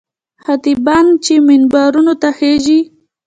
خطیبان چې منبرونو ته خېژي.